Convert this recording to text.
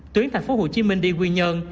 tuyến thành phố hồ chí minh đi nguyên nhơn